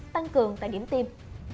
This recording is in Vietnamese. tăng cường tại điểm tiêm